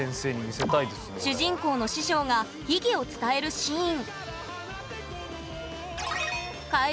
主人公の師匠が秘技を伝えるシーン